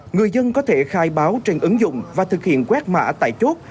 người dân có thể khai báo trên ứng dụng và thực hiện quét mã tại chốt